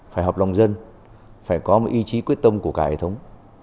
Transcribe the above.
phải hợp lòng dân phải có một ý chí quyết tâm của cả hệ thống